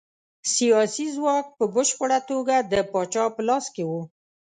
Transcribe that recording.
سیاسي ځواک په بشپړه توګه د پاچا په لاس کې و.